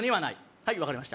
はい、分かりました。